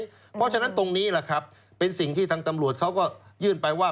เพราะฉะนั้นตรงนี้แหละครับเป็นสิ่งที่ทางตำรวจเขาก็ยื่นไปว่า